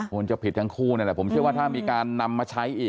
ควรจะผิดทั้งคู่นั่นแหละผมเชื่อว่าถ้ามีการนำมาใช้อีก